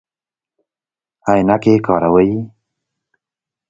عینکې کاروئ؟